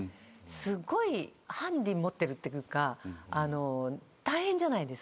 すごいハンディ持ってるっていうか大変じゃないですか。